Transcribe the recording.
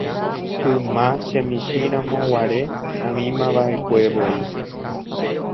yma chemichĩramo guare oĩmava'ekuevoi